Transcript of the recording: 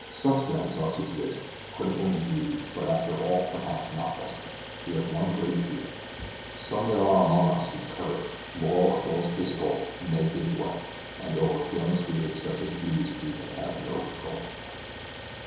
Such then is our situation; critical indeed, but after all perhaps not desperate. We have one great fear; some there are among us whose courage, moral as well as physical, may give way, and over failing spirits such as these we may have no control.